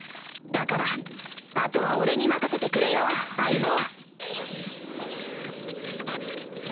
だから後は俺に任せてくれよ相棒